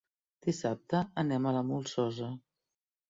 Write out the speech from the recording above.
Dissabte anem a la Molsosa.